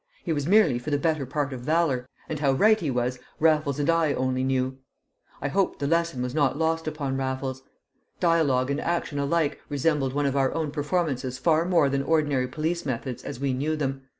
He was merely for the better part of valour, and how right he was Raffles and I only knew. I hoped the lesson was not lost upon Raffles. Dialogue and action alike resembled one of our own performances far more than ordinary police methods as we knew them.